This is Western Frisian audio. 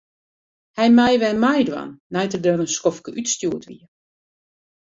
Hy mei wer meidwaan nei't er der in skoftke útstjoerd wie.